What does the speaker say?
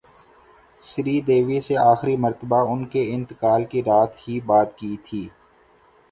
سری دیوی سے اخری مرتبہ انکے انتقال کی رات ہی بات کی تھی